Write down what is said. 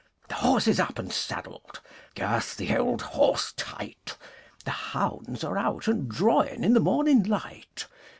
The horse is up and saddled; Girth the old horse tight! The hounds are out and drawing In the morning light.